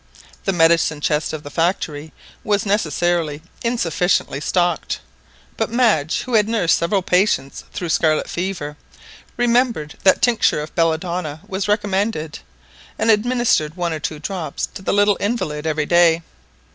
The medicine chest of the factory was necessarily insufficiently stocked, but Madge, who had nursed several patients through scarlet lever, remembered that tincture of belladonna was recommended, and administered one or two drops to the little invalid every day.